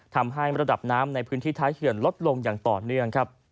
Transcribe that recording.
ทำให้ระดับน้ำในพื้นที่ท้ายเขื่อนลดลงอย่างต่อเนื่องครับ